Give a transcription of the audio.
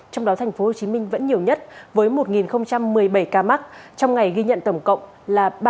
trong đó thành phố hồ chí minh vẫn nhiều nhất với một một mươi bảy ca mắc trong ngày ghi nhận tổng cộng là ba bảy trăm một mươi tám ca